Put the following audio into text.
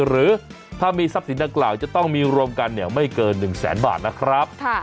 หรือถ้ามีทรัพย์สินดังกล่าวจะต้องมีรวมกันไม่เกิน๑แสนบาทนะครับ